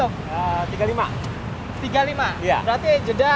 kurang lebih berarti